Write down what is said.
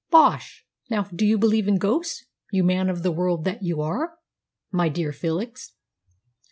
"Bosh! Now, do you believe in ghosts, you man of the world that you are, my dear Felix?"